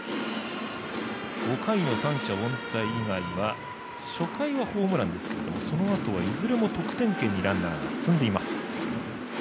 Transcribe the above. ５回の三者凡退以外は初回はホームランですけどもそのあとはいずれも得点圏にランナーが進んでいます。